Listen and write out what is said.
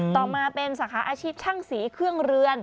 ต่อมาเป็นสาขาอาชีพช่างสีเครื่องเรือน